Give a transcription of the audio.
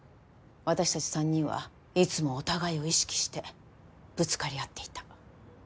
私たち３人はいつもお互いを意識してぶつかり合っていた。